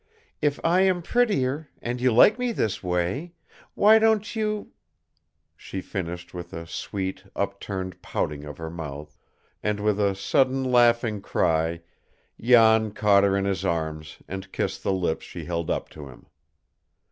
"If I am prettier and you like me this way why don't you " She finished with a sweet, upturned pouting of her mouth, and, with a sudden, laughing cry, Jan caught her in his arms and kissed the lips she held up to him.